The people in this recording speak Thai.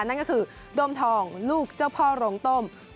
นั่นก็คือโดมทองลูกเจ้าพ่อโรงต้ม